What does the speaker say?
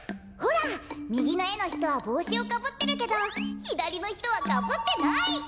ほらみぎのえのひとはぼうしをかぶってるけどひだりのひとはかぶってない！